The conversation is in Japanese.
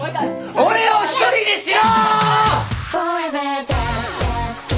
俺を一人にしろ！！